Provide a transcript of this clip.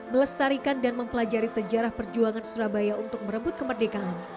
melestarikan dan mempelajari sejarah perjuangan surabaya untuk merebut kemerdekaan